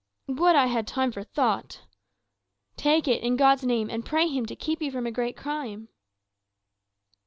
"Would I had time for thought!" "Take it, in God's name, and pray him to keep you from a great crime."